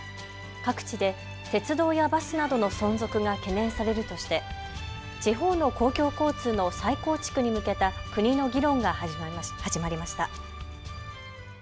各地で鉄道やバスなどの存続が懸念されるとして地方の公共交通の再構築に向けた国の議論が始まりました。